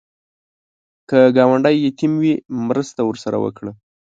که ګاونډی یتیم وي، مرسته ورسره وکړه